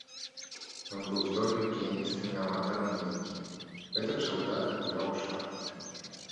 Ён быў здольным піяністам і аматарам музыкі, гэтак жа выдатна гуляў у шахматы.